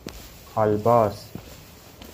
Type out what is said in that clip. کالباس